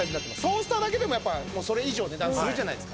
トースターだけでもそれ以上値段するじゃないですか。